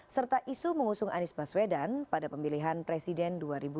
serta isu mengusung anies baswedan pada pemilihan presiden dua ribu dua puluh